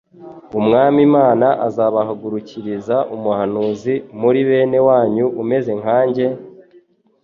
Umwami Imana izabahagurukiriza umuhanuzi muri bene wanyu umeze nkanjye,